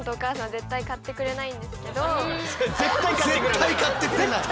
絶対買ってくれない！